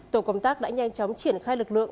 tổ công tác đã nhanh chóng triển khai lực lượng